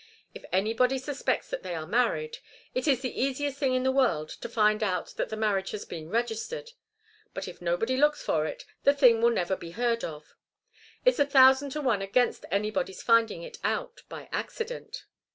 If anybody suspects that they are married, it is the easiest thing in the world to find out that the marriage has been registered. But if nobody looks for it, the thing will never be heard of. It's a thousand to one against anybody's finding it out by accident."